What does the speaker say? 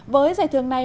với giải thưởng này